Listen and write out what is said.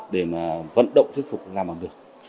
để mà vận động thuyết phục làm bằng được